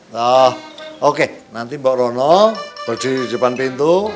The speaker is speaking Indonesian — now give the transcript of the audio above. tuh oke nanti mbak rono berdiri di depan pintu